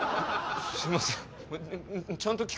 すいません。